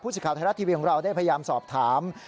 พูดสิทธิ์ข่าวไทยรัตน์ทีวีของเราได้พยายามสอบถาม